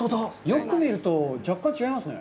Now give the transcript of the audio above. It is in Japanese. よく見ると、若干違いますね。